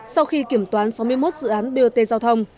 sau khi kiểm toán sáu mươi một dự án bot giao thông